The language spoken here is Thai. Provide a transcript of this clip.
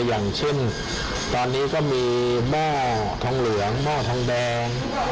อย่างเช่นตอนนี้ก็มีหม้อทองเหลืองหม้อทองแดง